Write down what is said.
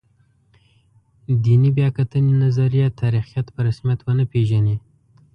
دیني بیا کتنې نظریه تاریخیت په رسمیت ونه پېژني.